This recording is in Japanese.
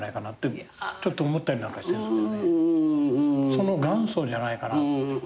その元祖じゃないかなと。